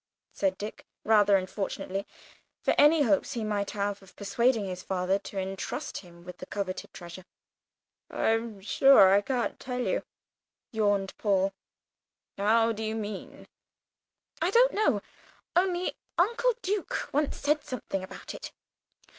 said Dick, rather unfortunately for any hopes he might have of persuading his father to entrust him with the coveted treasure. "I'm sure I can't tell you," yawned Paul, "how do you mean?" "I don't know, only Uncle Duke once said something about it.